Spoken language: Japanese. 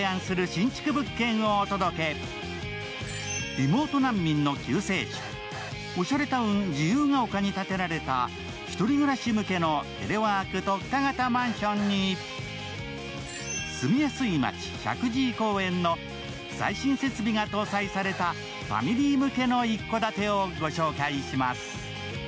リモート難民の救世主、おしゃれタウン、自由が丘に建てられた１人暮らし向けのテレワーク特化型マンションに住みやすい街、石神井公園の最新設備が搭載されたファミリー向けの一戸建てをご紹介します。